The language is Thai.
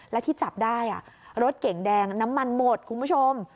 และที่จับได้รถเก่งแดงน้ำมันหมดคุณผู้ชม